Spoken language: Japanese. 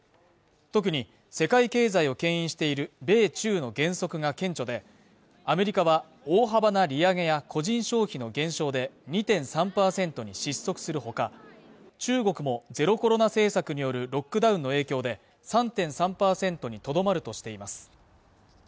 特に世界経済をけん引している米中の減速が顕著でアメリカは大幅な利上げや個人消費の減少で２．３％に失速するほか中国もゼロコロナな政策によるロックダウンの影響で３．３％にとどまるとしています